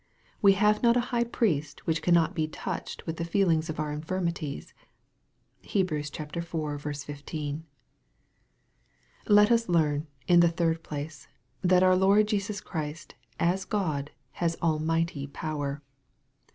" We have not an high priest which can not be touched with the feeling of our infirmities." (Heb. iv. 15.) Let us learn, in the third place, that our Lord Jesus Christ, as God, has almighty power.